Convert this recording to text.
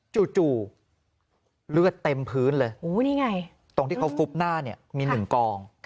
จู่เลือดเต็มพื้นเลยนี่ไงตรงที่เขาฟุบหน้าเนี่ยมี๑กอง